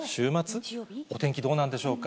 お天気どうなんでしょうか。